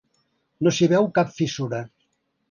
No s’hi veu cap fissura.